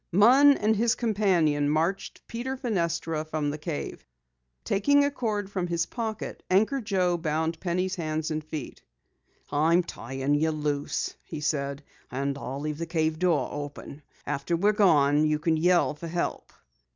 Munn and his companion marched Peter Fenestra from the cave. Taking a cord from his pocket, Anchor Joe bound Penny's hands and feet. "I'm tying 'em loose," he said. "And I'll leave the cave door open. After we're gone you can yell for help."